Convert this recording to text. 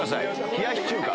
冷し中華。